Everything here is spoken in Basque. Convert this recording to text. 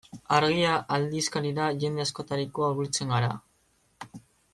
Argia aldizkarira jende askotarikoa hurbiltzen gara.